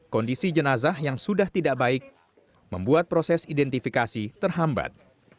kondisi jenazah yang sudah tidak baik membuat proses identifikasi terhambat